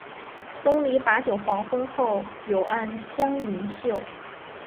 东篱把酒黄昏后，有暗香盈袖